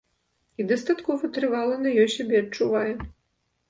І дастаткова трывала на ёй сябе адчувае.